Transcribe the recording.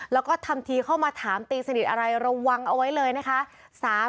แล้วก็ทำทีเข้ามาถามตีสนิทอะไรระวังเอาไว้เลยนะคะ